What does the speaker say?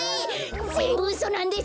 ぜんぶうそなんです！